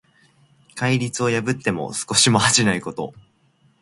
戒律を破っても少しも恥じないこと。